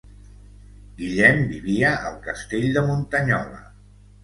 Guillem vivia al castell de Muntanyola.